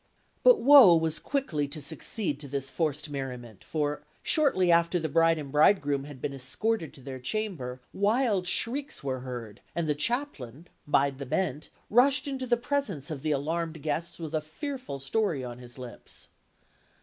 But woe was quickly to succeed to this forced merriment; for, shortly after the bride and bridegroom had been escorted to their chamber, wild shrieks were heard, and the chaplain, Bide the Bent, rushed into the presence of the alarmed guests with a fearful story on his lips.